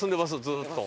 ずっと。